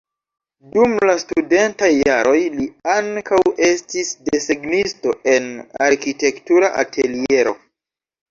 Dum la studentaj jaroj li ankaŭ estis desegnisto en arkitektura ateliero.